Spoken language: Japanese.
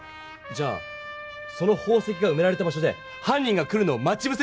じゃあその宝石がうめられた場所ではん人が来るのを待ちぶせる！